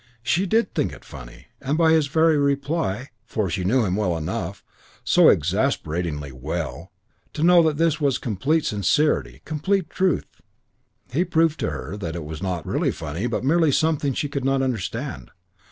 She did think it funny; and by his very reply for she knew him well enough, so exasperatingly well, to know that this was complete sincerity, complete truth he proved to her that it was not really funny but merely something she could not understand.